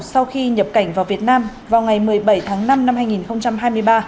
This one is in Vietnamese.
sau khi nhập cảnh vào việt nam vào ngày một mươi bảy tháng năm năm hai nghìn hai mươi ba